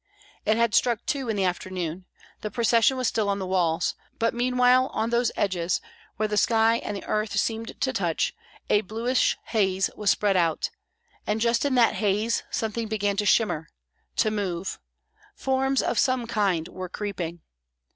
It had struck two in the afternoon, the procession was still on the walls; but meanwhile on those edges, where the sky and the earth seemed to touch, a bluish haze was spread out, and just in that haze something began to shimmer, to move, forms of some kind were creeping.